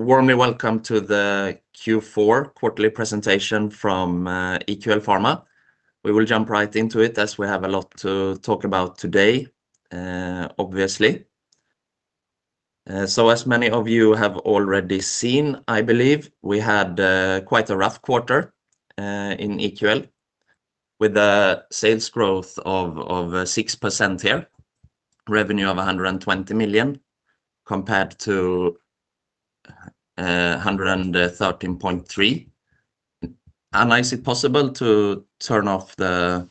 Warmly welcome to the Q4 quarterly presentation from EQL Pharma. We will jump right into it as we have a lot to talk about today, obviously. As many of you have already seen, I believe, we had quite a rough quarter in EQL with a sales growth of 6% here, revenue of 120 million compared to 113.3 million. Anna, is it possible to turn off the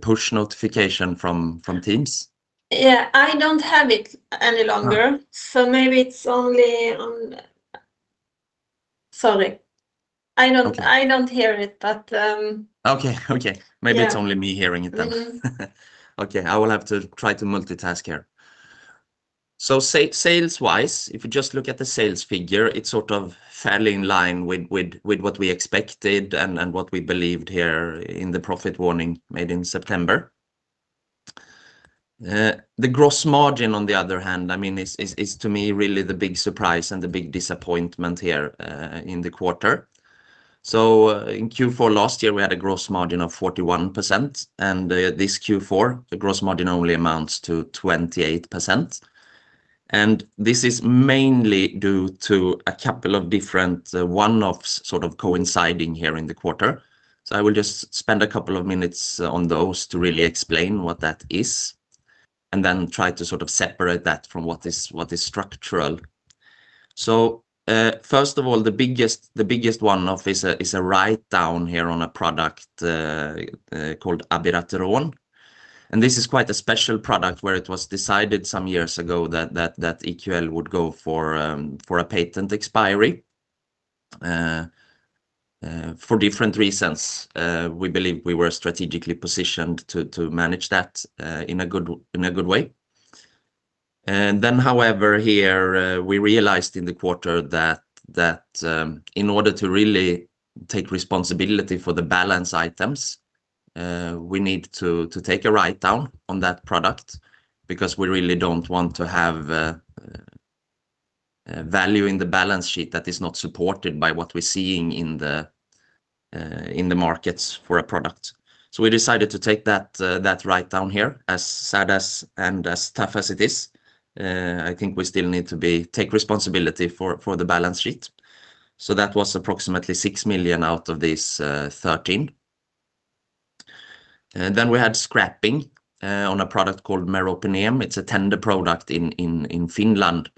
push notification from Teams? Yeah. I don't have it any longer. Oh. Maybe it's only on, sorry. Okay. I don't hear it, but. Okay. Okay. Yeah. Maybe it's only me hearing it then. Okay. I will have to try to multitask here. Sales-wise, if you just look at the sales figure, it's sort of fairly in line with what we expected and what we believed here in the profit warning made in September. The gross margin on the other hand, I mean, is to me really the big surprise and the big disappointment here in the quarter. In Q4 last year, we had a gross margin of 41%, and this Q4, the gross margin only amounts to 28%. This is mainly due to a couple of different one-offs sort of coinciding here in the quarter. I will just spend a couple of minutes on those to really explain what that is and then try to sort of separate that from what is structural. First of all, the biggest one-off is a write-down here on a product called abiraterone. This is quite a special product where it was decided some years ago that EQL would go for a patent expiry for different reasons. We believe we were strategically positioned to manage that in a good way. However, here, we realized in the quarter that in order to really take responsibility for the balance items, we need to take a write-down on that product because we really don't want to have value in the balance sheet that is not supported by what we're seeing in the markets for a product. We decided to take that write-down here, as sad as and as tough as it is. I think we still need to take responsibility for the balance sheet. That was approximately 6 million out of this 13 million. Then we had scrapping on a product called Meropenem. It's a tender product in Finland,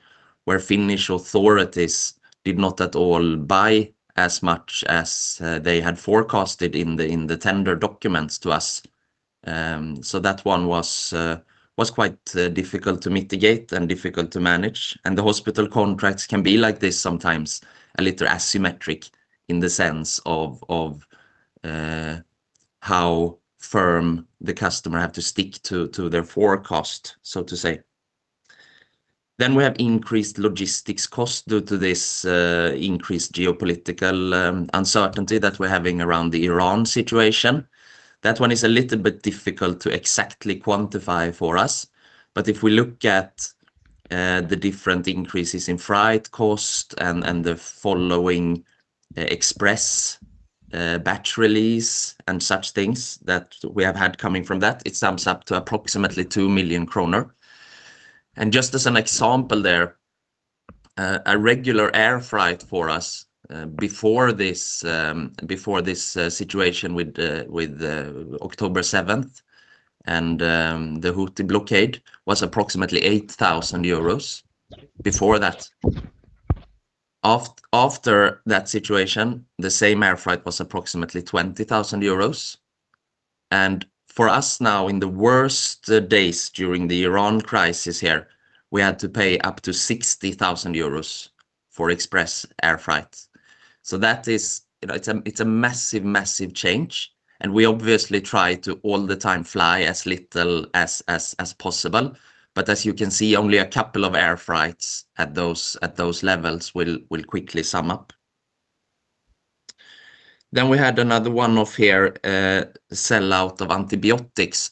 where Finnish authorities did not at all buy as much as they had forecasted in the tender documents to us. That one was quite difficult to mitigate and difficult to manage. The hospital contracts can be like this sometimes, a little asymmetric in the sense of how firm the customer have to stick to their forecast, so to say. We have increased logistics costs due to this increased geopolitical uncertainty that we're having around the Iran situation. That one is a little bit difficult to exactly quantify for us. If we look at the different increases in freight cost and the following express batch release and such things that we have had coming from that, it sums up to approximately 2 million kronor. Just as an example there, a regular air freight for us before this situation with October 7th and the Houthi blockade was approximately 8,000 euros before that. After that situation, the same air freight was approximately 20,000 euros. For us now, in the worst days during the Iran crisis here, we had to pay up to 60,000 euros for express air freight. That is, you know, it's a massive change, and we obviously try to all the time fly as little as possible. As you can see, only a couple of air freights at those levels will quickly sum up. We had another one-off here, sell out of antibiotics.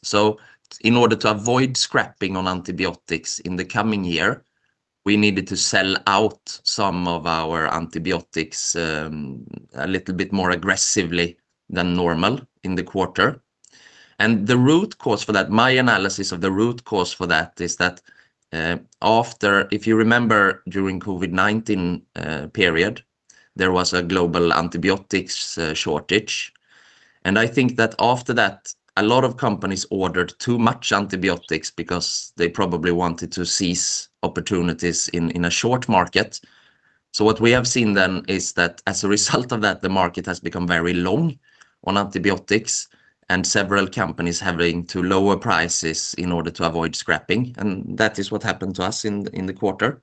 In order to avoid scrapping on antibiotics in the coming year, we needed to sell out some of our antibiotics a little bit more aggressively than normal in the quarter. The root cause for that, my analysis of the root cause for that is that after, if you remember, during COVID-19 period, there was a global antibiotics shortage. I think that after that, a lot of companies ordered too much antibiotics because they probably wanted to seize opportunities in a short market. What we have seen then is that as a result of that, the market has become very long on antibiotics and several companies having to lower prices in order to avoid scrapping. That is what happened to us in the quarter.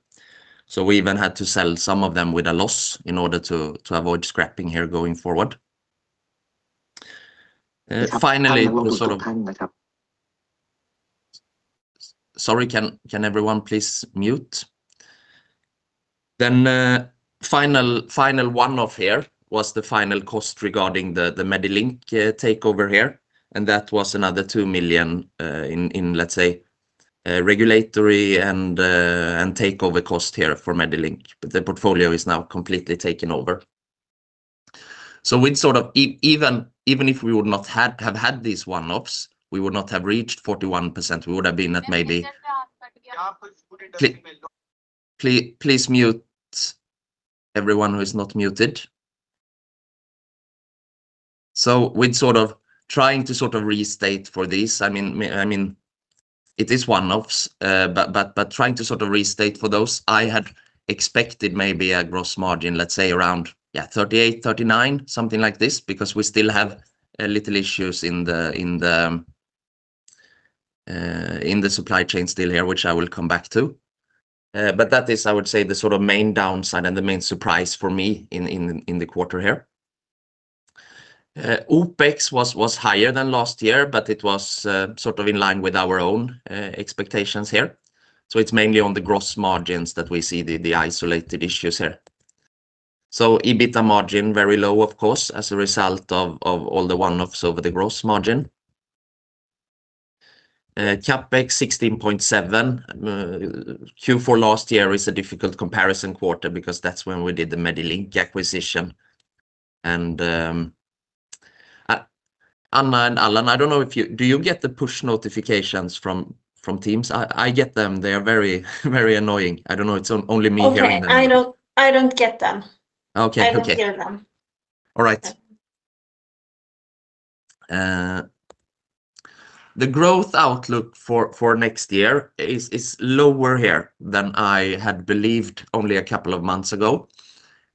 We even had to sell some of them with a loss in order to avoid scrapping here going forward. Finally, Sorry, can everyone please mute? Final one off here was the final cost regarding the Medilink takeover here, and that was another 2 million in, let's say, regulatory and takeover cost here for Medilink. The portfolio is now completely taken over. With sort of even if we would not have had these one-offs, we would not have reached 41%. We would have been at please mute everyone who is not muted. With trying to restate for this, I mean, it is one-offs. But trying to restate for those, I had expected maybe a gross margin, let's say around, yeah, 38%, 39%, something like this, because we still have a little issues in the, in the supply chain still here, which I will come back to. But that is, I would say, the main downside and the main surprise for me in the quarter here. OpEx was higher than last year, but it was in line with our own expectations here. It's mainly on the gross margins that we see the isolated issues here. EBITA margin, very low, of course, as a result of all the one-offs over the gross margin. CapEx 16.7. Q4 last year is a difficult comparison quarter because that's when we did the Medilink acquisition. Anna and Allan, I don't know if you Do you get the push notifications from Teams? I get them. They are very annoying. I don't know. It's only me here. Okay. I don't get them. Okay. Okay. I don't hear them. All right. The growth outlook for next year is lower here than I had believed only a couple of months ago.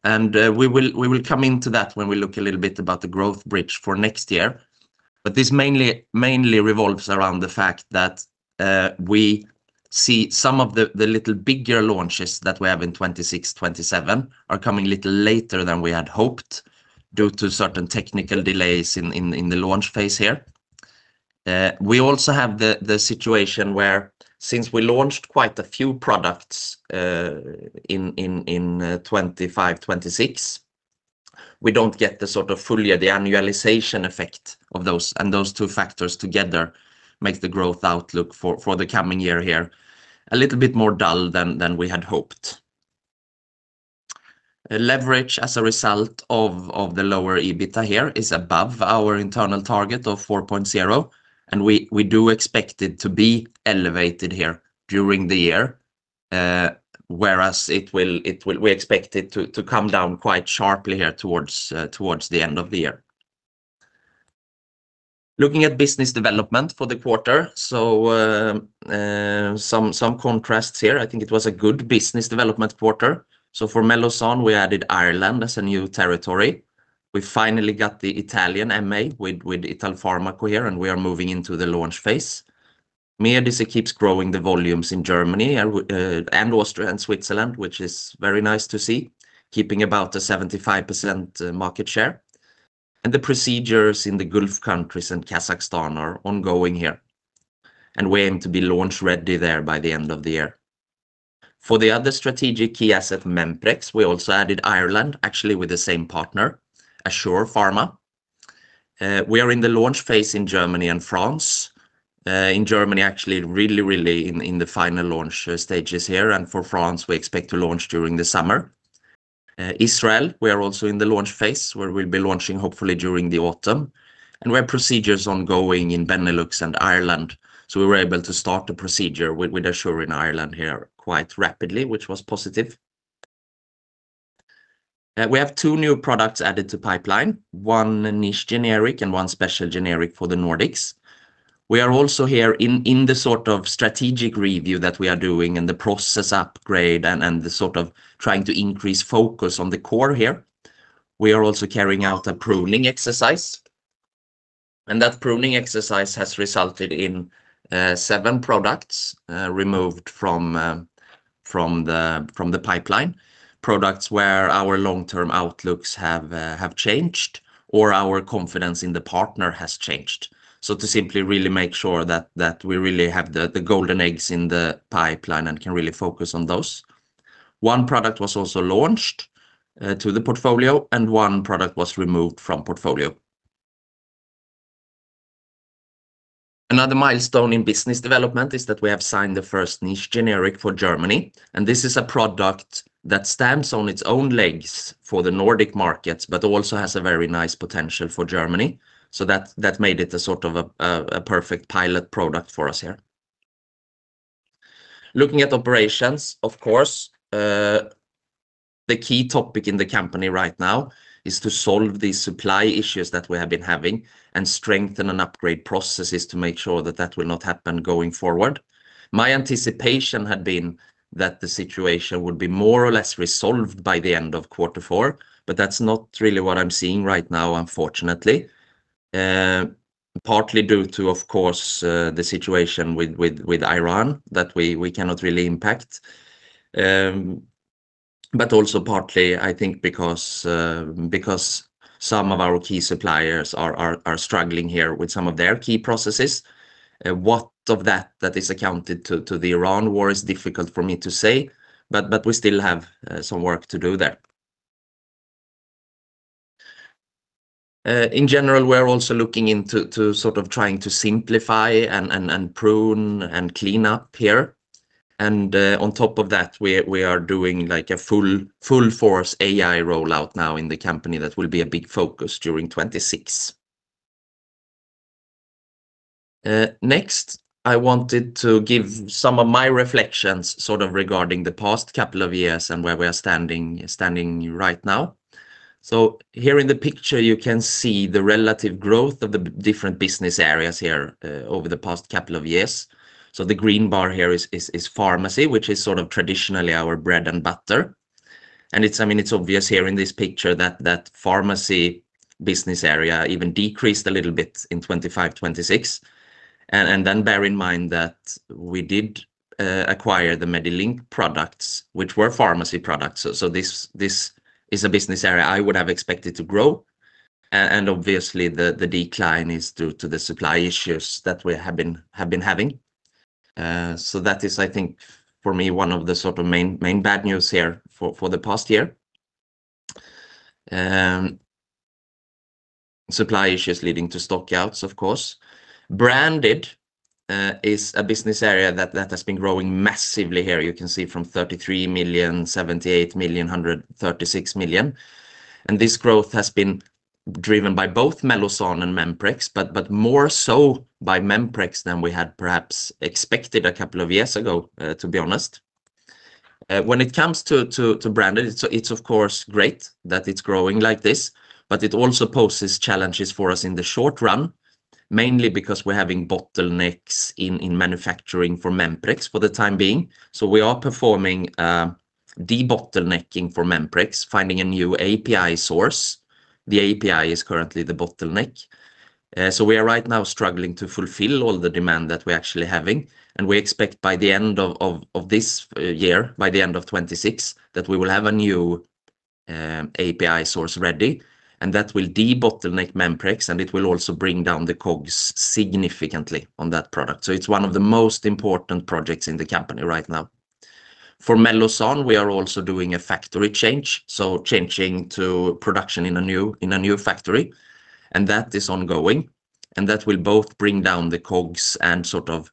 We will come into that when we look a little bit about the growth bridge for next year. This mainly revolves around the fact that we see some of the little bigger launches that we have in 2026, 2027 are coming a little later than we had hoped due to certain technical delays in the launch phase here. We also have the situation where since we launched quite a few products in 2025, 2026, we don't get the sort of fully the annualization effect of those. Those two factors together make the growth outlook for the coming year here a little bit more dull than we had hoped. Leverage as a result of the lower EBITA here is above our internal target of 4.0%, and we do expect it to be elevated here during the year. Whereas we expect it to come down quite sharply here towards the end of the year. Looking at business development for the quarter, some contrasts here. I think it was a good business development quarter. For Mellozzan, we added Ireland as a new territory. We finally got the Italian MA with Italfarmaco here, and we are moving into the launch phase. MEDICE keeps growing the volumes in Germany and Austria and Switzerland, which is very nice to see, keeping about a 75% market share. The procedures in the Gulf countries and Kazakhstan are ongoing here, and we aim to be launch-ready there by the end of the year. For the other strategic key asset, Memprex, we also added Ireland, actually with the same partner, Aspire Pharma. We are in the launch phase in Germany and France. In Germany, actually really in the final launch stages here. For France, we expect to launch during the summer. Israel, we are also in the launch phase, where we'll be launching hopefully during the autumn. We have procedures ongoing in Benelux and Ireland. We were able to start the procedure with Aspire in Ireland here quite rapidly, which was positive. We have two new products added to pipeline, one niche generic and one special generic for the Nordics. We are also here in the sort of strategic review that we are doing and the process upgrade and the sort of trying to increase focus on the core here. We are also carrying out a pruning exercise, that pruning exercise has resulted in seven products removed from the pipeline. Products where our long-term outlooks have changed or our confidence in the partner has changed. To simply really make sure that we really have the golden eggs in the pipeline and can really focus on those. One product was also launched to the portfolio, and one product was removed from portfolio. Another milestone in business development is that we have signed the first niche generic for Germany, and this is a product that stands on its own legs for the Nordic markets but also has a very nice potential for Germany. That made it a sort of a perfect pilot product for us here. Looking at operations, of course, the key topic in the company right now is to solve the supply issues that we have been having and strengthen and upgrade processes to make sure that that will not happen going forward. My anticipation had been that the situation would be more or less resolved by the end of quarter four, that's not really what I'm seeing right now, unfortunately. Partly due to, of course, the situation with Iran that we cannot really impact. Also partly I think because some of our key suppliers are struggling here with some of their key processes. What of that that is accounted to the Iran war is difficult for me to say, but we still have some work to do there. In general, we're also looking into sort of trying to simplify and prune and clean up here. On top of that, we are doing like a full force AI rollout now in the company that will be a big focus during 2026. Next, I wanted to give some of my reflections sort of regarding the past couple of years and where we are standing right now. Here in the picture, you can see the relative growth of the different business areas here over the past couple of years. The green bar here is pharmacy, which is sort of traditionally our bread and butter. I mean, it's obvious here in this picture that that pharmacy business area even decreased a little bit in 2025, 2026. Then bear in mind that we did acquire the Medilink products, which were pharmacy products. This is a business area I would have expected to grow. Obviously, the decline is due to the supply issues that we have been having. That is, I think, for me, one of the sort of main bad news here for the past year. Supply issues leading to stockouts, of course. Branded is a business area that has been growing massively here. You can see from 33 million, 78 million, 136 million. This growth has been driven by both Mellozzan and Memprex, but more so by Memprex than we had perhaps expected a couple of years ago, to be honest. When it comes to branded, it's of course great that it's growing like this, but it also poses challenges for us in the short run, mainly because we're having bottlenecks in manufacturing for Memprex for the time being. We are performing debottlenecking for Memprex, finding a new API source. The API is currently the bottleneck. We are right now struggling to fulfill all the demand that we're actually having, and we expect by the end of this year, by the end of 2026, that we will have a new API source ready, and that will debottleneck Memprex, and it will also bring down the COGS significantly on that product. It's one of the most important projects in the company right now. For Mellozzan, we are also doing a factory change, so changing to production in a new factory, and that is ongoing. That will both bring down the COGS and sort of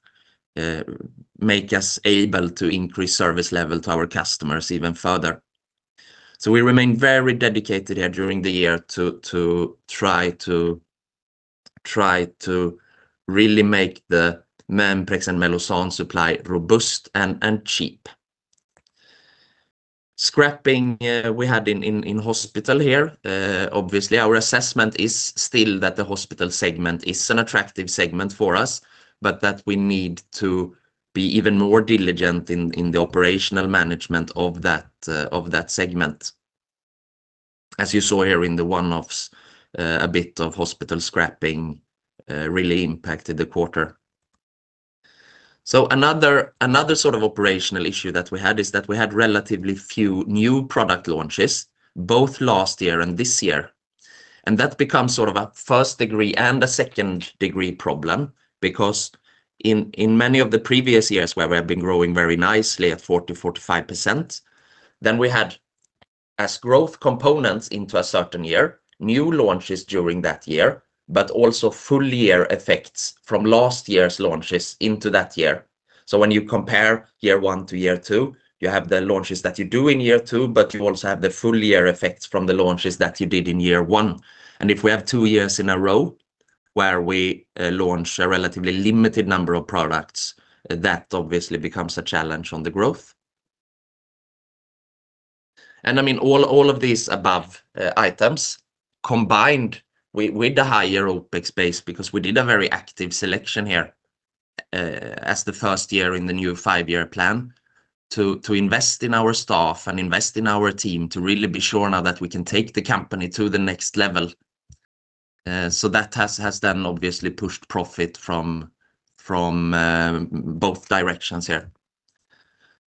make us able to increase service level to our customers even further. We remain very dedicated here during the year to try to really make the Memprex and Mellozzan supply robust and cheap. Scrapping we had in hospital here. Obviously, our assessment is still that the hospital segment is an attractive segment for us, but that we need to be even more diligent in the operational management of that segment. As you saw here in the one-offs, a bit of hospital scrapping really impacted the quarter. Another sort of operational issue that we had is that we had relatively few new product launches, both last year and this year. That becomes sort of a first degree and a second degree problem because in many of the previous years where we have been growing very nicely at 40%, 45%, then we had as growth components into a certain year, new launches during that year, but also full year effects from last year's launches into that year. When you compare year one to year two, you have the launches that you do in year two, but you also have the full year effects from the launches that you did in year one. If we have two years in a row where we launch a relatively limited number of products, that obviously becomes a challenge on the growth. I mean all of these above items combined with the higher OpEx base, because we did a very active selection here as the first year in the new five-year plan to invest in our staff and invest in our team to really be sure now that we can take the company to the next level. That has then obviously pushed profit from both directions here.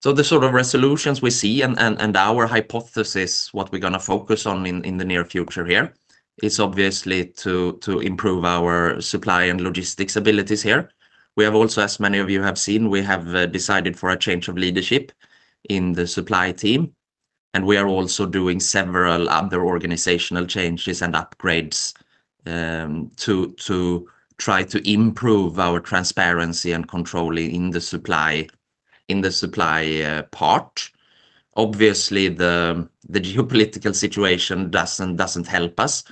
The sort of resolutions we see and our hypothesis, what we're gonna focus on in the near future here, is obviously to improve our supply and logistics abilities here. We have also, as many of you have seen, we have decided for a change of leadership in the supply team, and we are also doing several other organizational changes and upgrades to try to improve our transparency and control in the supply part. Obviously, the geopolitical situation doesn't help us.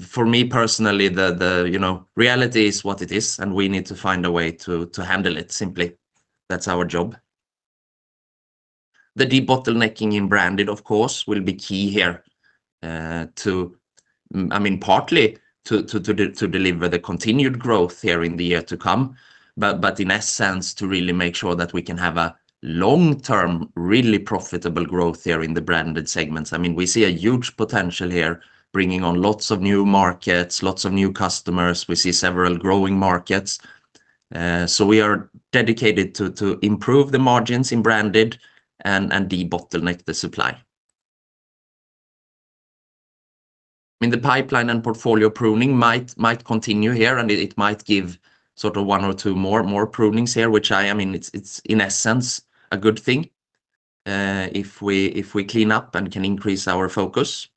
For me personally, the, you know, reality is what it is, and we need to find a way to handle it simply. That's our job. The debottlenecking in branded, of course, will be key here, to, I mean, partly to deliver the continued growth here in the year to come, but, in essence, to really make sure that we can have a long-term, really profitable growth here in the branded segments. I mean, we see a huge potential here bringing on lots of new markets, lots of new customers. We see several growing markets. We are dedicated to improve the margins in branded and debottleneck the supply. I mean, the pipeline and portfolio pruning might continue here and it might give sort of one or two more prunings here, which I mean, it's in essence a good thing if we clean up and can increase our focus.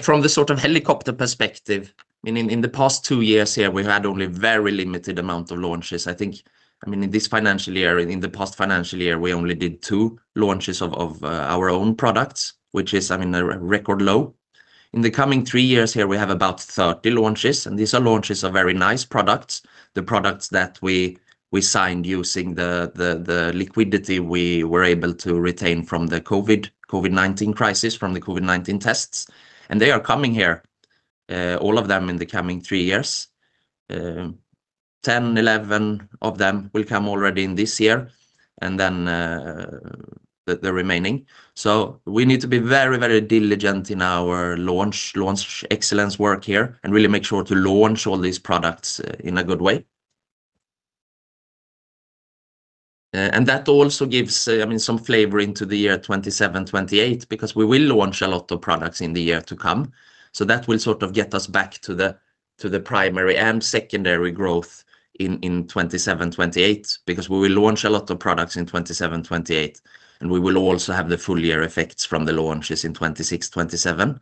From the sort of helicopter perspective, I mean, in the past two years here, we've had only very limited amount of launches. I think, I mean, in this financial year, in the past financial year, we only did two launches of our own products, which is, I mean, a record low. In the coming three years here, we have about 30 launches and these are launches of very nice products. The products that we signed using the liquidity we were able to retain from the COVID-19 crisis, from the COVID-19 tests. They are coming here, all of them in the coming three years. 10, 11 of them will come already in this year and then the remaining. We need to be very, very diligent in our launch excellence work here and really make sure to launch all these products in a good way. That also gives, I mean, some flavor into the year 2027, 2028, because we will launch a lot of products in the year to come. That will sort of get us back to the primary and secondary growth in 2027, 2028, because we will launch a lot of products in 2027, 2028. We will also have the full year effects from the launches in 2026, 2027.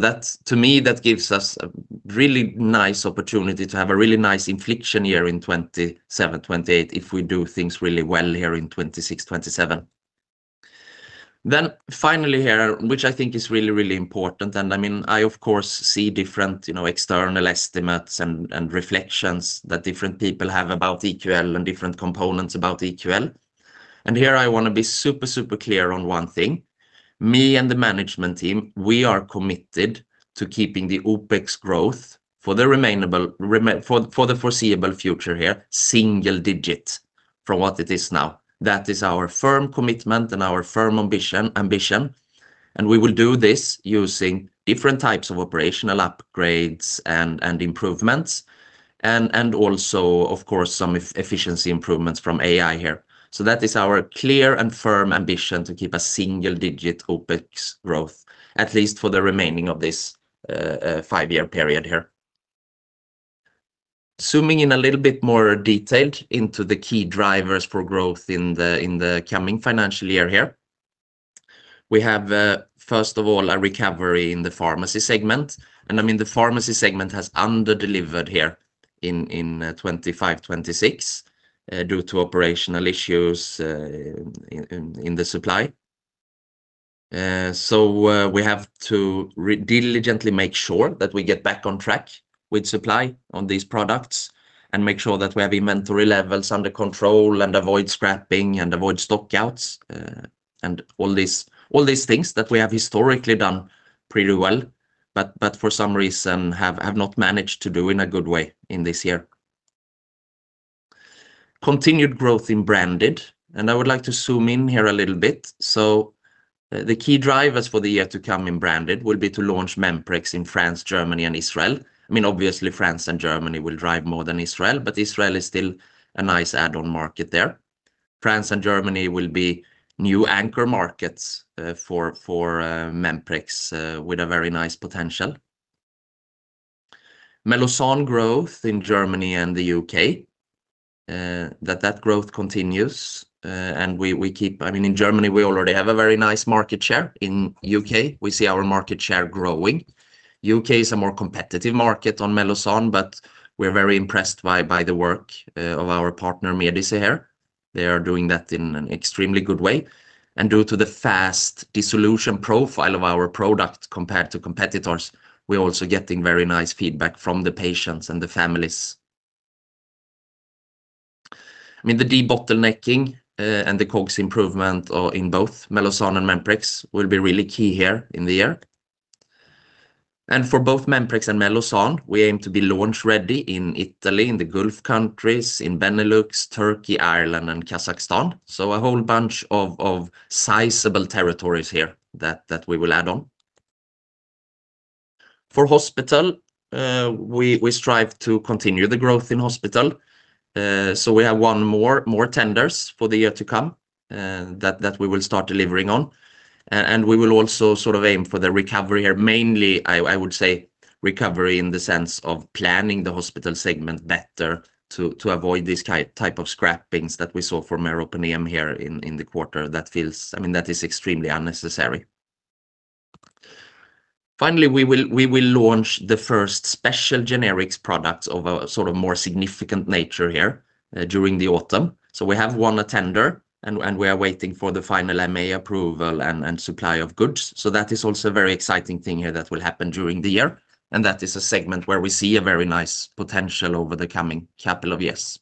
That's, to me, that gives us a really nice opportunity to have a really nice inflection year in 2027, 2028, if we do things really well here in 2026, 2027. Finally here, which I think is really, really important. I mean, I, of course, see different, you know, external estimates and reflections that different people have about EQL and different components about EQL. Here I want to be super clear on one thing. Me and the management team, we are committed to keeping the OpEx growth for the foreseeable future here, single digit from what it is now. That is our firm commitment and our firm ambition. We will do this using different types of operational upgrades and improvements. Also, of course, some efficiency improvements from AI here. That is our clear and firm ambition to keep a single-digit OpEx growth, at least for the remaining of this five-year period here. Zooming in a little bit more detailed into the key drivers for growth in the coming financial year here. We have, first of all, a recovery in the pharmacy segment. I mean, the pharmacy segment has under-delivered here in 2025, 2026 due to operational issues in the supply. We have to diligently make sure that we get back on track with supply on these products and make sure that we have inventory levels under control and avoid scrapping and avoid stockouts and all these things that we have historically done pretty well. For some reason have not managed to do in a good way in this year. Continued growth in branded. I would like to zoom in here a little bit. The key drivers for the year to come in branded will be to launch Memprex in France, Germany and Israel. I mean, obviously France and Germany will drive more than Israel, but Israel is still a nice add-on market there. France and Germany will be new anchor markets for Memprex with a very nice potential. Mellozzan growth in Germany and the U.K. That growth continues. We keep, I mean, in Germany, we already have a very nice market share. In U.K., we see our market share growing. U.K. is a more competitive market on Mellozzan, but we're very impressed by the work of our partner MEDICE here. They are doing that in an extremely good way. Due to the fast dissolution profile of our product compared to competitors, we're also getting very nice feedback from the patients and the families. I mean, the debottlenecking and the COGS improvement in both Mellozzan and Memprex will be really key here in the year. For both Memprex and Mellozzan, we aim to be launch ready in Italy, in the Gulf countries, in Benelux, Turkey, Ireland and Kazakhstan. A whole bunch of sizable territories here that we will add on. For hospital, we strive to continue the growth in hospital. We have won more tenders for the year to come that we will start delivering on. We will also sort of aim for the recovery here. Mainly, I would say, recovery in the sense of planning the hospital segment better to avoid this type of scrappings that we saw for meropenem here in the quarter. That feels, I mean, that is extremely unnecessary. Finally, we will launch the first special generics products of a sort of more significant nature here during the autumn. We have won a tender and we are waiting for the final MA approval and supply of goods. That is also a very exciting thing here that will happen during the year. That is a segment where we see a very nice potential over the coming couple of years.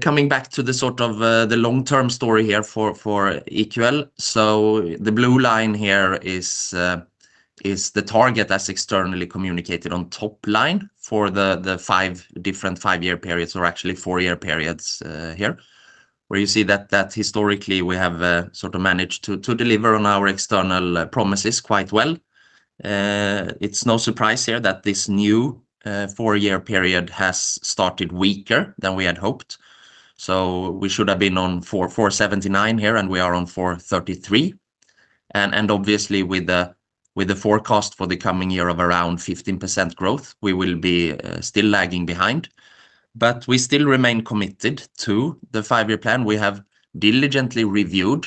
Coming back to the sort of the long-term story here for EQL. The blue line here is the target that's externally communicated on top line for the five different five-year periods or actually four-year periods here. Where you see that historically we have managed to deliver on our external promises quite well. It's no surprise here that this new four-year period has started weaker than we had hoped. We should have been on 479 here, and we are on 433. Obviously with the forecast for the coming year of around 15% growth, we will be still lagging behind. We still remain committed to the five-year plan. We have diligently reviewed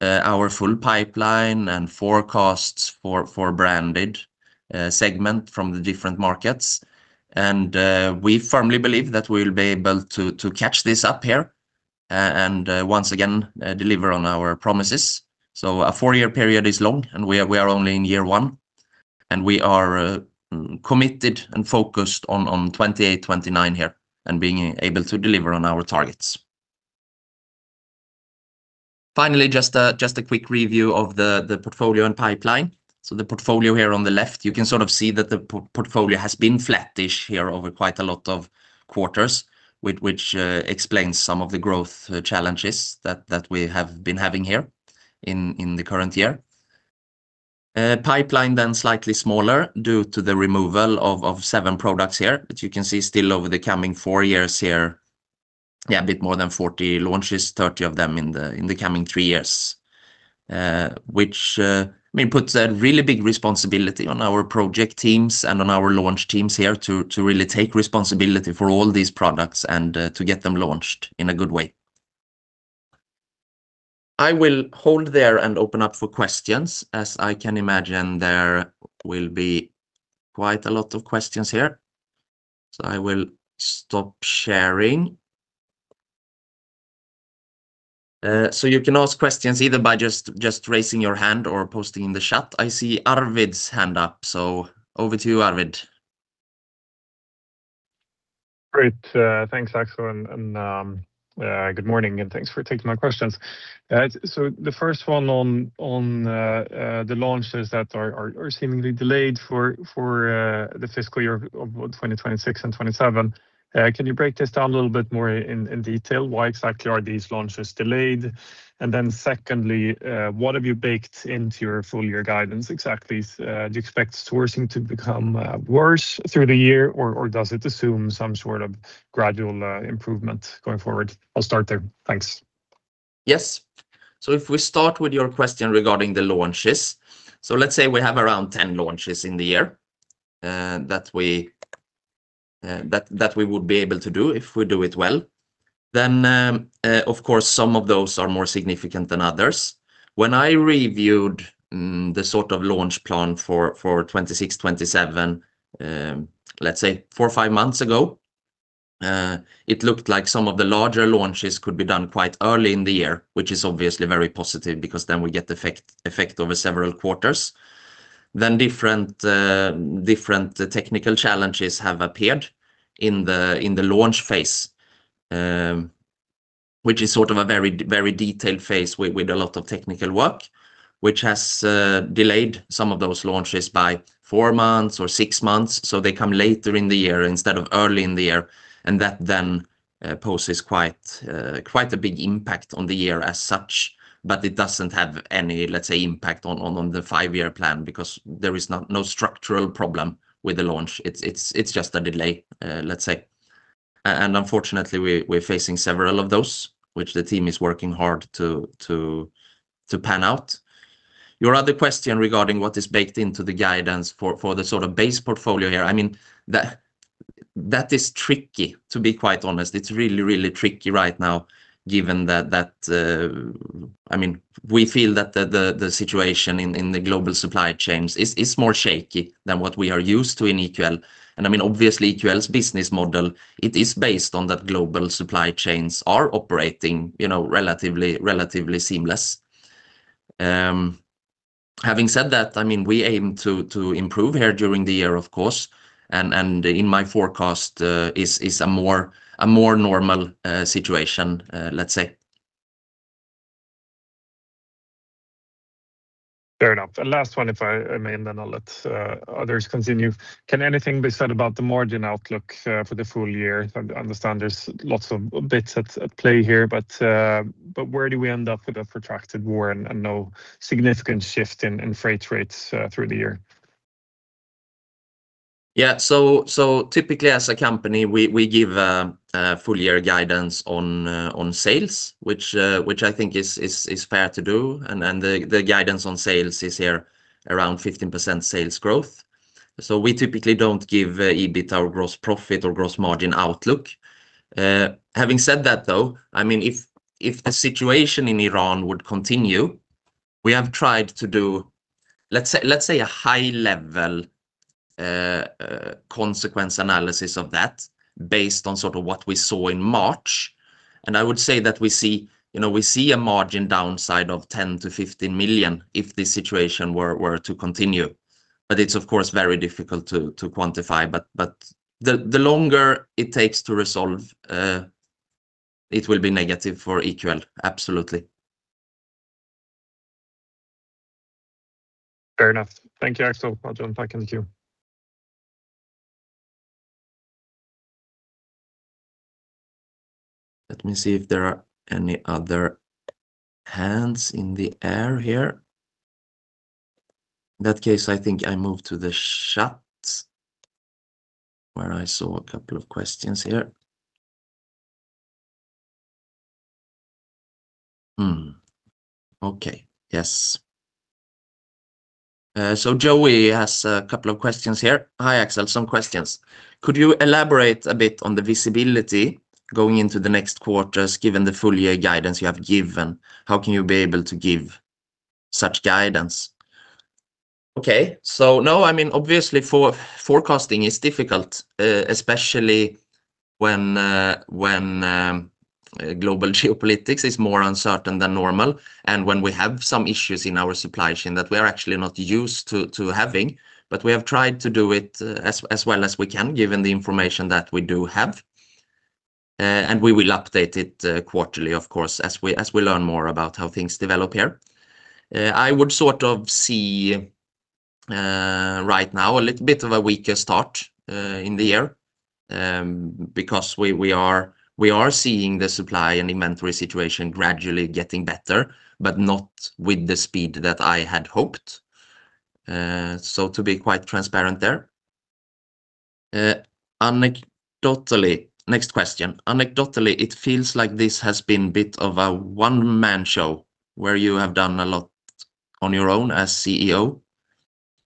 our full pipeline and forecasts for branded segment from the different markets. We firmly believe that we'll be able to catch this up here and once again deliver on our promises. A four-year period is long, and we are only in year one, and we are committed and focused on 2028-2029 here and being able to deliver on our targets. Finally, just a quick review of the portfolio and pipeline. The portfolio here on the left, you can sort of see that the portfolio has been flat-ish here over quite a lot of quarters, which explains some of the growth challenges that we have been having here in the current year. Pipeline slightly smaller due to the removal of seven products here. You can see still over the coming four years here, a bit more than 40 launches, 30 of them in the coming three years. Which, I mean, puts a really big responsibility on our project teams and on our launch teams here to really take responsibility for all these products and to get them launched in a good way. I will hold there and open up for questions, as I can imagine there will be quite a lot of questions here. I will stop sharing. You can ask questions either by just raising your hand or posting in the chat. I see Arvid's hand up. Over to you, Arvid. Great. Thanks Axel, and good morning, and thanks for taking my questions. The first one on the launches that are seemingly delayed for the fiscal year of 2026 and 2027. Can you break this down a little bit more in detail? Why exactly are these launches delayed? Secondly, what have you baked into your full year guidance exactly? Do you expect sourcing to become worse through the year, or does it assume some sort of gradual improvement going forward? I'll start there. Thanks. Yes. If we start with your question regarding the launches, so let's say we have around 10 launches in the year that we would be able to do if we do it well. Of course, some of those are more significant than others. When I reviewed the sort of launch plan for 2026, 2027, let's say four or five months ago, it looked like some of the larger launches could be done quite early in the year, which is obviously very positive because then we get effect over several quarters. Different technical challenges have appeared in the launch phase, which is sort of a very detailed phase with a lot of technical work, which has delayed some of those launches by four months or six months. They come later in the year instead of early in the year, and that then poses quite a big impact on the year as such. It doesn't have any, let's say, impact on the five-year plan because there is no structural problem with the launch. It's just a delay, let's say. And unfortunately, we're facing several of those, which the team is working hard to pan out. Your other question regarding what is baked into the guidance for the sort of base portfolio here, I mean, that is tricky, to be quite honest. It's really tricky right now given that, I mean, we feel that the situation in the global supply chains is more shaky than what we are used to in EQL. I mean, obviously, EQL's business model, it is based on that global supply chains are operating, you know, relatively seamless. Having said that, I mean, we aim to improve here during the year, of course. In my forecast, is a more normal situation, let's say. Fair enough. Last one, if I may, then I'll let others continue. Can anything be said about the margin outlook for the full year? I understand there's lots of bits at play here, but where do we end up with a protracted war and no significant shift in freight rates through the year? Yeah. Typically as a company, we give a full-year guidance on sales, which I think is fair to do, and the guidance on sales is here around 15% sales growth. We typically don't give EBITA or gross profit or gross margin outlook. Having said that though, I mean, if the situation in Iran would continue, we have tried to do, let's say a high level consequence analysis of that based on sort of what we saw in March. I would say that we see, you know, we see a margin downside of 10 million-15 million if this situation were to continue. It's of course very difficult to quantify. The longer it takes to resolve, it will be negative for EQL. Absolutely. Fair enough. Thank you, Axel. Back in the queue. Let me see if there are any other hands in the air here. In that case, I think I move to the chat where I saw a couple of questions here. Okay. Yes. Joey has a couple of questions here. "Hi, Axel, some questions. Could you elaborate a bit on the visibility going into the next quarters given the full year guidance you have given? How can you be able to give such guidance? Okay. No, I mean, obviously forecasting is difficult, especially when global geopolitics is more uncertain than normal, and when we have some issues in our supply chain that we are actually not used to having. We have tried to do it as well as we can, given the information that we do have. We will update it quarterly, of course, as we, as we learn more about how things develop here. I would sort of see right now a little bit of a weaker start in the year because we are seeing the supply and inventory situation gradually getting better, but not with the speed that I had hoped. To be quite transparent there. Next question. "Anecdotally, it feels like this has been bit of a one-man show where you have done a lot on your own as CEO.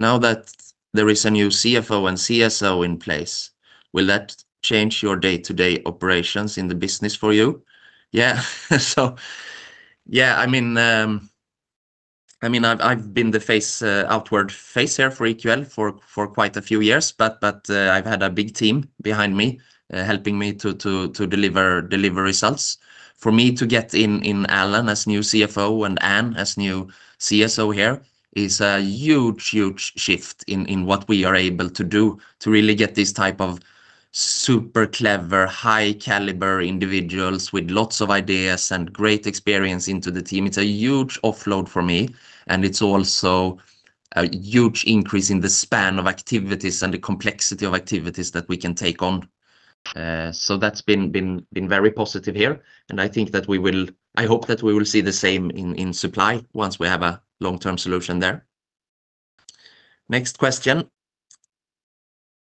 Now that there is a new CFO and CSO in place, will that change your day-to-day operations in the business for you?" Yeah. Yeah, I mean, I've been the face, outward face here for EQL for quite a few years, but I've had a big team behind me, helping me to deliver results. For me to get in Allan as new CFO and Anne as new CSO here is a huge shift in what we are able to do to really get this type of super clever, high caliber individuals with lots of ideas and great experience into the team. It's a huge offload for me, and it's also a huge increase in the span of activities and the complexity of activities that we can take on. That's been very positive here, and I hope that we will see the same in supply once we have a long-term solution there. Next question.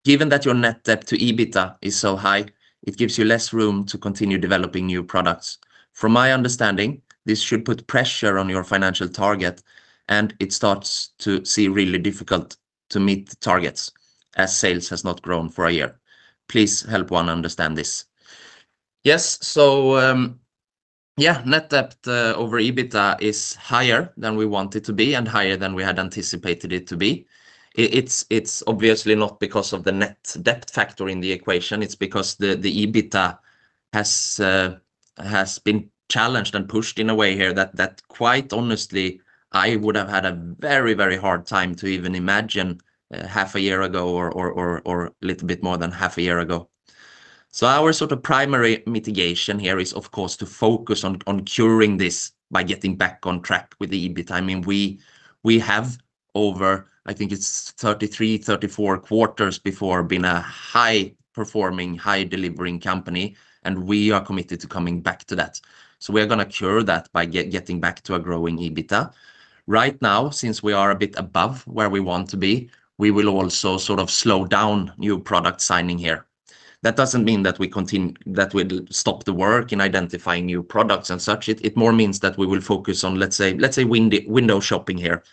"Given that your net debt to EBITDA is so high, it gives you less room to continue developing new products. From my understanding, this should put pressure on your financial target, and it starts to seem really difficult to meet the targets as sales has not grown for a year. Please help one understand this." Yes. Yeah, net debt over EBITDA is higher than we want it to be and higher than we had anticipated it to be. It's obviously not because of the net debt factor in the equation. It's because the EBITDA has been challenged and pushed in a way here that quite honestly, I would have had a very, very hard time to even imagine half a year ago or, or a little bit more than half a year ago. Our sort of primary mitigation here is, of course, to focus on curing this by getting back on track with the EBITDA. I mean, we have over, I think it's 33, 34 quarters before been a high-performing, high-delivering company, and we are committed to coming back to that. We are gonna cure that by getting back to a growing EBITDA. Right now, since we are a bit above where we want to be, we will also sort of slow down new product signing here. That doesn't mean that we'll stop the work in identifying new products and such. It more means that we will focus on window shopping here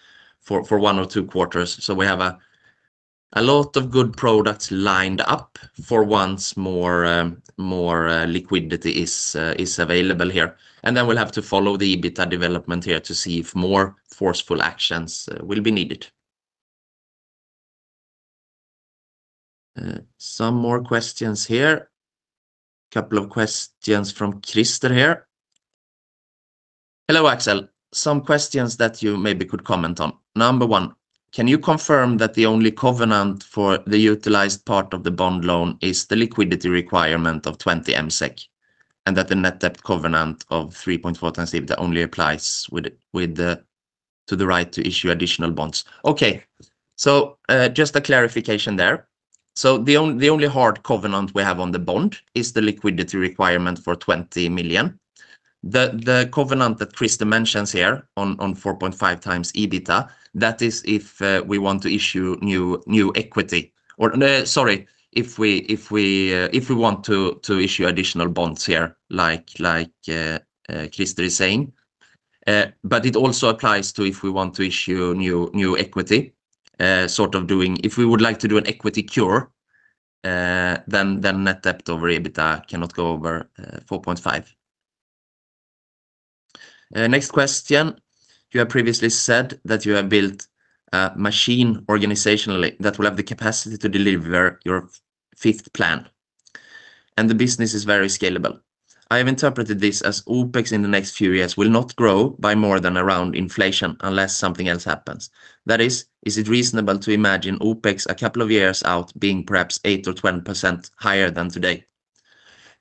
for one or two quarters. We have a lot of good products lined up for once more, more liquidity is available here. Then we'll have to follow the EBITDA development here to see if more forceful actions will be needed. Some more questions here. Couple of questions from Christer here. "Hello, Axel. Some questions that you maybe could comment on. Number one, can you confirm that the only covenant for the utilized part of the bond loan is the liquidity requirement of 20 million, and that the net debt covenant of 3.4x EBITDA only applies to the right to issue additional bonds? Okay. Just a clarification there. The only hard covenant we have on the bond is the liquidity requirement for 20 million. The covenant that Christer mentions here on 4.5x EBITDA, that is if we want to issue new equity or, sorry, if we want to issue additional bonds here, like Christer is saying. It also applies to if we want to issue new equity, if we would like to do an equity cure, then net debt over EBITDA cannot go over 4.5x. Next question. "You have previously said that you have built a machine organizationally that will have the capacity to deliver your fifth plan, and the business is very scalable. I have interpreted this as OpEx in the next few years will not grow by more than around inflation unless something else happens. That is it reasonable to imagine OpEx a couple of years out being perhaps 8% or 10% higher than today?"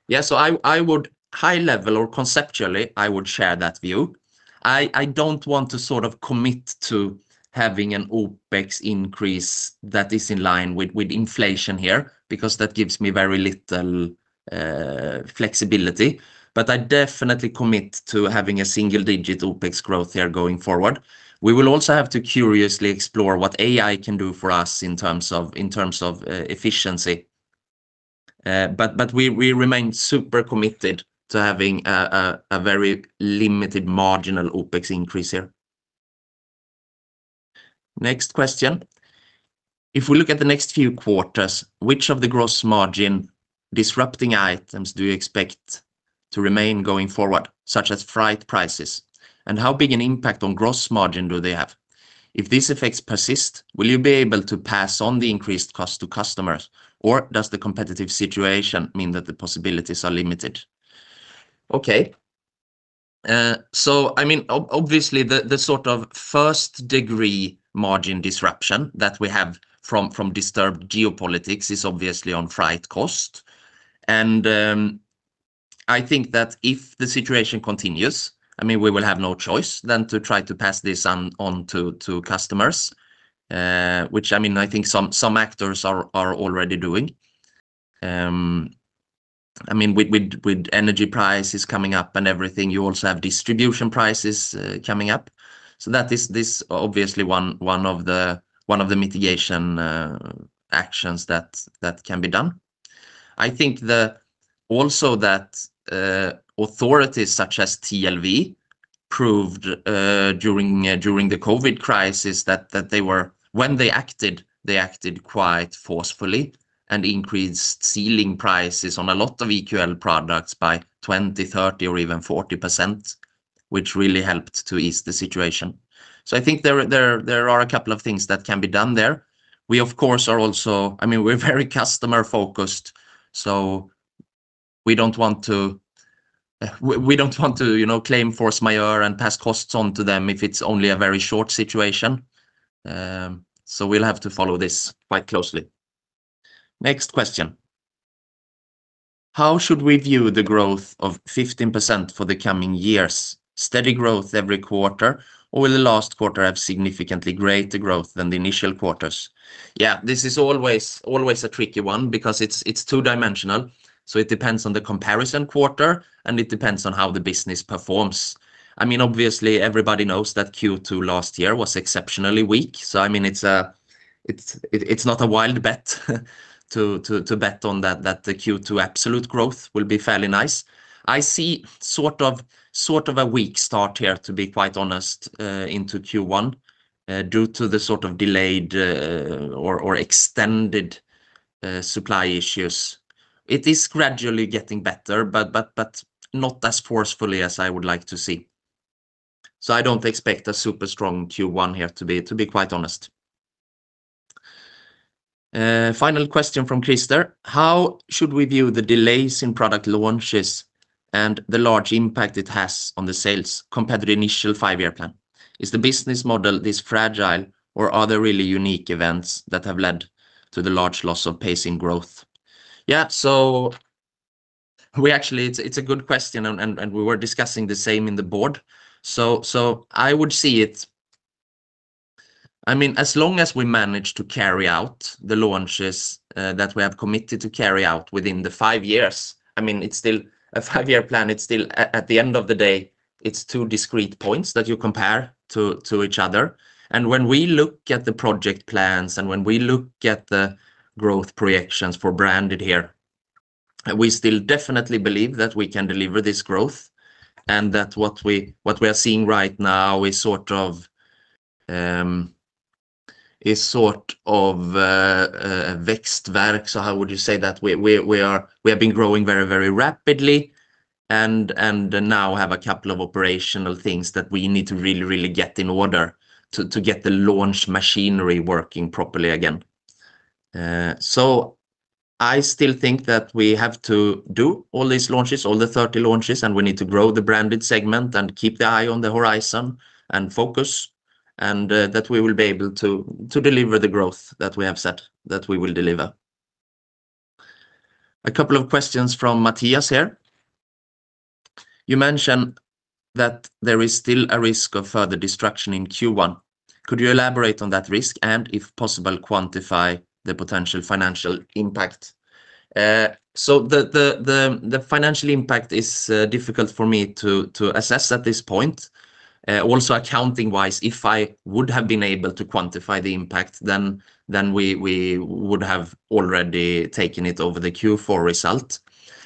Yeah, I would high level or conceptually I would share that view. I don't want to commit to having an OpEx increase that is in line with inflation here because that gives me very little flexibility. I definitely commit to having a single-digit OpEx growth here going forward. We will also have to curiously explore what AI can do for us in terms of efficiency. We remain super committed to having a very limited marginal OpEx increase here. Next question. If we look at the next few quarters, which of the gross margin disrupting items do you expect to remain going forward, such as freight prices? How big an impact on gross margin do they have? If these effects persist, will you be able to pass on the increased cost to customers, or does the competitive situation mean that the possibilities are limited? I mean, obviously the sort of first degree margin disruption that we have from disturbed geopolitics is obviously on freight cost. I think that if the situation continues, I mean, we will have no choice than to try to pass this on to customers. Which I mean, I think some actors are already doing. I mean, with energy prices coming up and everything, you also have distribution prices coming up. That is this obviously one of the mitigation actions that can be done. I think the also that authorities such as TLV proved during the COVID-19 crisis that when they acted, they acted quite forcefully and increased ceiling prices on a lot of EQL products by 20%, 30% or even 40%, which really helped to ease the situation. I think there are a couple of things that can be done there. We of course are also I mean, we're very customer-focused, so we don't want to, we don't want to, you know, claim force majeure and pass costs on to them if it's only a very short situation. We'll have to follow this quite closely. Next question. How should we view the growth of 15% for the coming years? Steady growth every quarter, or will the last quarter have significantly greater growth than the initial quarters? This is always a tricky one because it's two-dimensional, so it depends on the comparison quarter, and it depends on how the business performs. I mean, obviously everybody knows that Q2 last year was exceptionally weak. I mean, it's not a wild bet to bet on that the Q2 absolute growth will be fairly nice. I see sort of a weak start here, to be quite honest, into Q1 due to the sort of delayed or extended supply issues. It is gradually getting better, but not as forcefully as I would like to see. I don't expect a super strong Q1 here to be quite honest. Final question from Christer. How should we view the delays in product launches and the large impact it has on the sales compared to the initial five-year plan? Is the business model this fragile, or are there really unique events that have led to the large loss of pace in growth? It's a good question, and we were discussing the same in the board. I would see it, I mean, as long as we manage to carry out the launches that we have committed to carry out within the five years, I mean, it's still a five-year plan. It's still at the end of the day, it's two discrete points that you compare to each other. When we look at the project plans and when we look at the growth projections for branded here, we still definitely believe that we can deliver this growth and that what we are seeing right now is sort of, växtvärk. How would you say that we have been growing very, very rapidly and now have a couple of operational things that we need to really get in order to get the launch machinery working properly again. I still think that we have to do all these launches, all the 30 launches, and we need to grow the branded segment and keep the eye on the horizon and focus, and that we will be able to deliver the growth that we have said that we will deliver. A couple of questions from Matthias here. You mentioned that there is still a risk of further destruction in Q1. Could you elaborate on that risk and, if possible, quantify the potential financial impact? The financial impact is difficult for me to assess at this point. Also accounting-wise, if I would have been able to quantify the impact, then we would have already taken it over the Q4 result.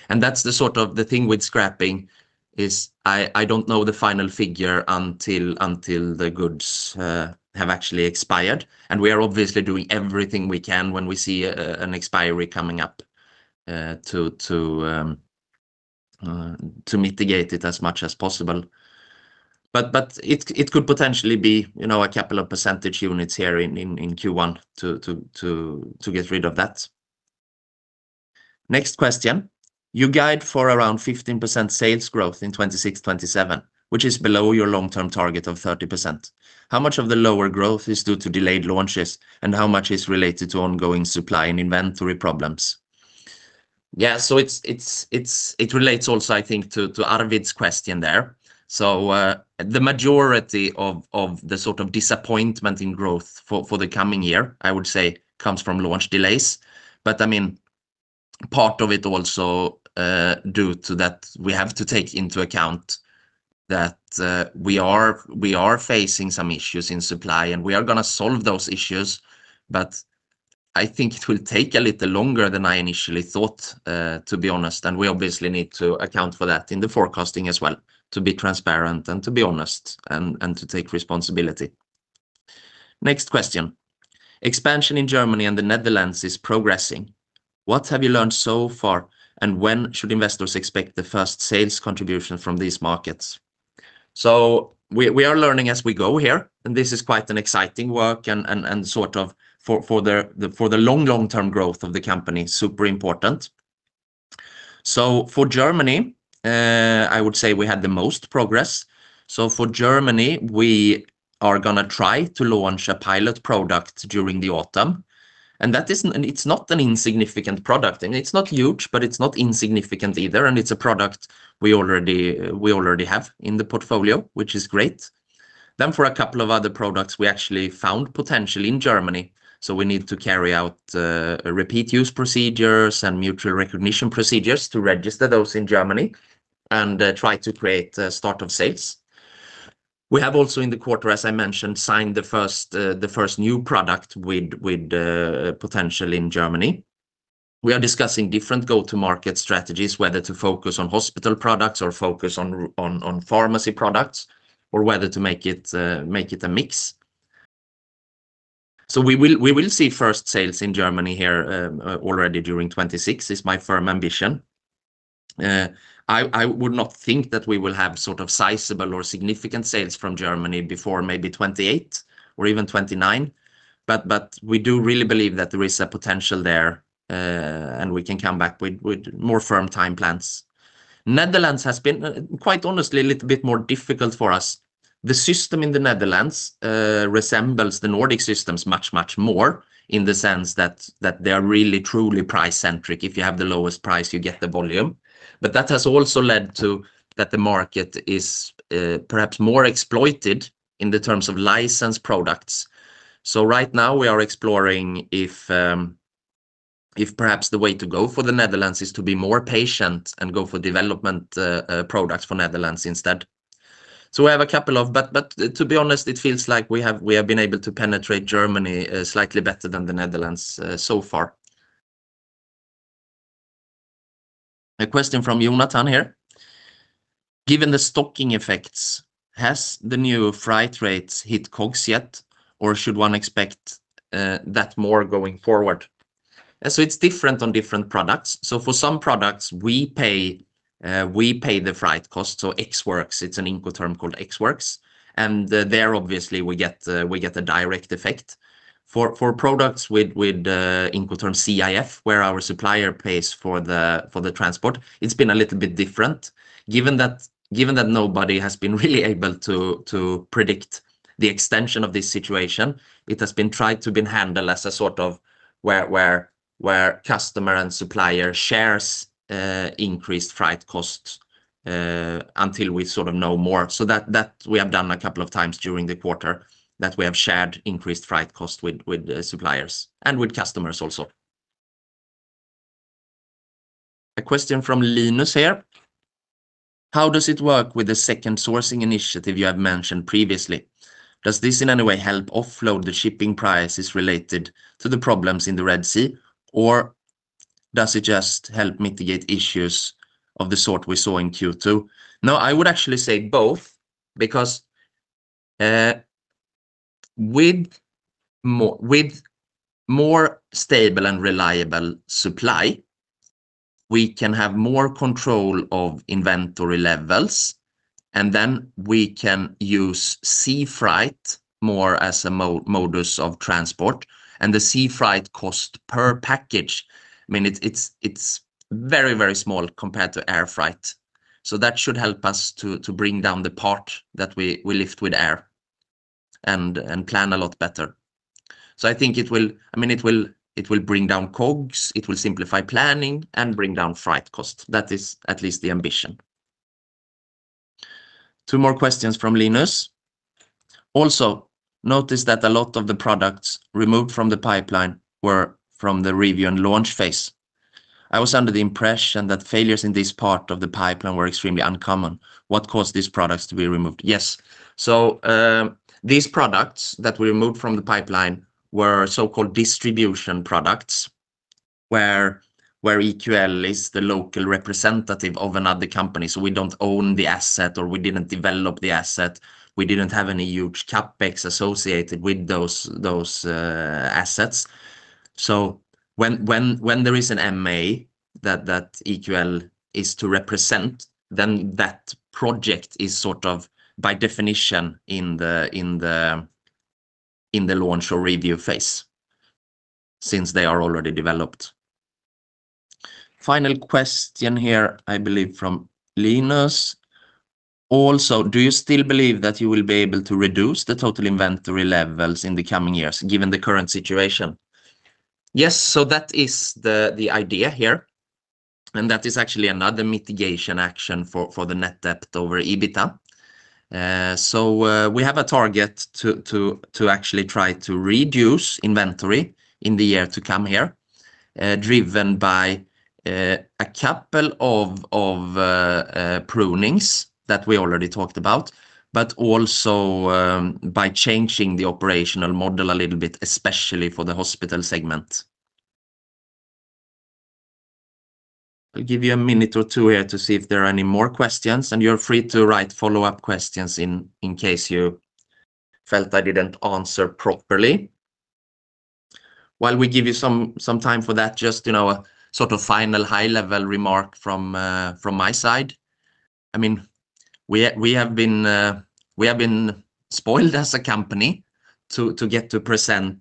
That's the sort of the thing with scrapping is I don't know the final figure until the goods have actually expired. We are obviously doing everything we can when we see an expiry coming up to mitigate it as much as possible. it could potentially be, you know, a couple of percentage units here in Q1 to get rid of that. Next question. You guide for around 15% sales growth in 2026, 2027, which is below your long-term target of 30%. How much of the lower growth is due to delayed launches, and how much is related to ongoing supply and inventory problems? Yeah. It relates also, I think, to Arvid's question there. The majority of the sort of disappointment in growth for the coming year, I would say comes from launch delays. I mean, part of it also, due to that we have to take into account that we are facing some issues in supply, and we are gonna solve those issues. I think it will take a little longer than I initially thought, to be honest, and we obviously need to account for that in the forecasting as well to be transparent and to be honest and to take responsibility. Next question. Expansion in Germany and the Netherlands is progressing. What have you learned so far, and when should investors expect the first sales contribution from these markets? We are learning as we go here, and this is quite an exciting work and sort of for the long-term growth of the company, super important. For Germany, I would say we had the most progress. For Germany, we are gonna try to launch a pilot product during the autumn, and it's not an insignificant product, and it's not huge, but it's not insignificant either, and it's a product we already have in the portfolio, which is great. For a couple of other products, we actually found potential in Germany, so we need to carry out repeat use procedures and mutual recognition procedures to register those in Germany and try to create start of sales. We have also in the quarter, as I mentioned, signed the first new product with potential in Germany. We are discussing different go-to market strategies, whether to focus on hospital products or focus on pharmacy products or whether to make it a mix. We will see first sales in Germany here, already during 2026 is my firm ambition. I would not think that we will have sort of sizable or significant sales from Germany before maybe 2028 or even 2029, but we do really believe that there is a potential there, and we can come back with more firm time plans. Netherlands has been, quite honestly, a little bit more difficult for us. The system in the Netherlands resembles the Nordic systems much more in the sense that they are really truly price centric. If you have the lowest price, you get the volume. That has also led to that the market is perhaps more exploited in the terms of licensed products. Right now we are exploring if perhaps the way to go for the Netherlands is to be more patient and go for development products for the Netherlands instead. To be honest, it feels like we have been able to penetrate Germany slightly better than the Netherlands so far. A question from Jonathan here. Given the stocking effects, has the new freight rates hit COGS yet, or should one expect that more going forward? It is different on different products. For some products, we pay the freight cost, Ex Works. It is an Incoterm called Ex Works. There, obviously, we get a direct effect. For products with Incoterm CIF, where our supplier pays for the transport, it's been a little bit different. Given that nobody has been really able to predict the extension of this situation, it has been tried to be handled as a sort of where customer and supplier shares increased freight costs until we sort of know more. So that we have done a couple of times during the quarter, that we have shared increased freight cost with suppliers and with customers also. A question from Linus here. How does it work with the second sourcing initiative you have mentioned previously? Does this in any way help offload the shipping prices related to the problems in the Red Sea, or does it just help mitigate issues of the sort we saw in Q2? No, I would actually say both because with more, with more stable and reliable supply, we can have more control of inventory levels, then we can use sea freight more as a modus of transport. The sea freight cost per package, I mean, it's very, very small compared to air freight. That should help us to bring down the part that we lift with air and plan a lot better. I think it will I mean, it will bring down COGS. It will simplify planning and bring down freight cost. That is at least the ambition. Two more questions from Linus. Also, notice that a lot of the products removed from the pipeline were from the review and launch phase. I was under the impression that failures in this part of the pipeline were extremely uncommon. What caused these products to be removed? Yes. These products that we removed from the pipeline were so-called distribution products, where EQL is the local representative of another company, so we don't own the asset, or we didn't develop the asset. We didn't have any huge CapEx associated with those assets. When there is an MA that EQL is to represent, then that project is sort of by definition in the launch or review phase since they are already developed. Final question here, I believe from Linus. Do you still believe that you will be able to reduce the total inventory levels in the coming years given the current situation? Yes. That is the idea here, and that is actually another mitigation action for the net debt over EBITDA. We have a target to actually try to reduce inventory in the year to come here, driven by a couple of prunings that we already talked about, but also by changing the operational model a little bit, especially for the hospital segment. I'll give you a minute or two here to see if there are any more questions, and you're free to write follow-up questions in case you felt I didn't answer properly. While we give you some time for that, just, you know, a sort of final high level remark from my side. I mean, we have been spoiled as a company to get to present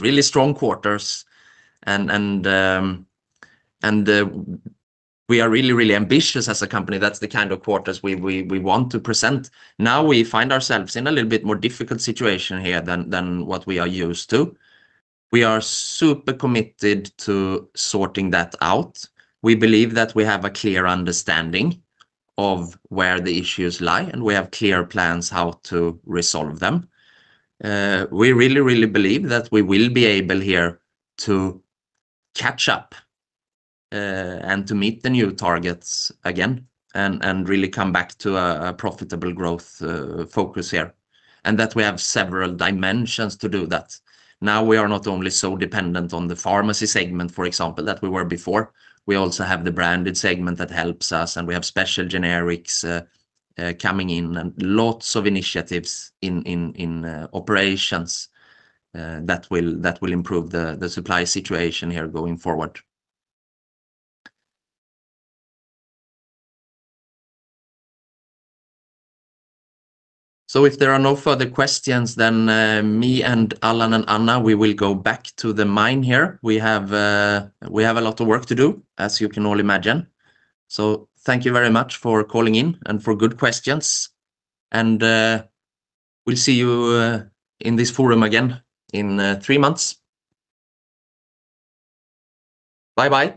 really strong quarters and we are really, really ambitious as a company. That's the kind of quarters we want to present. We find ourselves in a little bit more difficult situation here than what we are used to. We are super committed to sorting that out. We believe that we have a clear understanding of where the issues lie, and we have clear plans how to resolve them. We really believe that we will be able here to catch up and to meet the new targets again and really come back to a profitable growth focus here, and that we have several dimensions to do that. We are not only so dependent on the pharmacy segment, for example, that we were before. We also have the branded segment that helps us, and we have special generics coming in and lots of initiatives in operations that will improve the supply situation here going forward. If there are no further questions, me and Allan and Anna, we will go back to the mine here. We have a lot of work to do, as you can all imagine. Thank you very much for calling in and for good questions. We'll see you in this forum again in three months. Bye-bye.